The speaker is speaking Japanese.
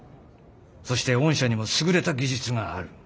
そして御社にも優れた技術がある？